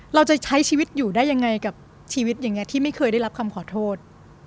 เราจะใช้ชีวิตอยู่ได้ยังไงกับชีวิตอย่างนี้ที่ไม่เคยได้รับคำขอโทษ